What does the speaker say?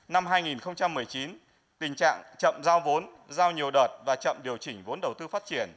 năm hai nghìn một mươi chín tình trạng chậm giao vốn giao nhiều đợt và chậm điều chỉnh vốn đầu tư phát triển